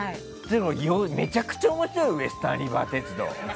めちゃくちゃ面白いよウエスタンリバー鉄道。